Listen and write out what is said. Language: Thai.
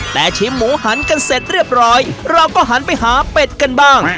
แต่ชิมหมูหันกันเสร็จเรียบร้อยเราก็หันไปหาเป็ดกันบ้าง